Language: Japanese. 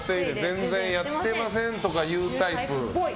全然やってませんーとか言うタイプっぽい。